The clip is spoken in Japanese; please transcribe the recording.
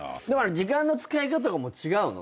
時間の使い方が違うの？